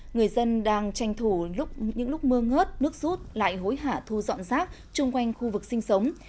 người dân đang tranh thủ những lúc mưa ngớt nước rút lại hối hả thu dọn rác chung quanh khu vực sinh sống